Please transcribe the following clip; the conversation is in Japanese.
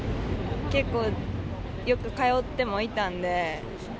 結構、よく通ってもいたんで。